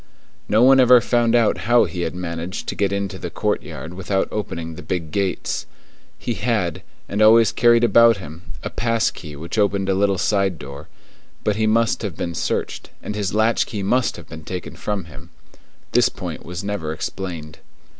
No one ever found out how he had managed to get into the courtyard without opening the big gates. He had, and always carried about him, a pass key which opened a little side door; but he must have been searched, and his latch key must have been taken from him. This point was never explained.